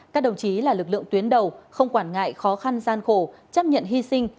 các đồng chí là lực lượng tuyến đầu không quản ngại khó khăn gian khổ chấp nhận hy sinh